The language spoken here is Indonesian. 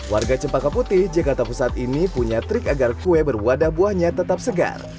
warga cempaka putih jakarta pusat ini punya trik agar kue berwadah buahnya tetap segar